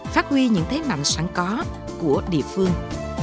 phát huy những thế mạnh sẵn có của địa phương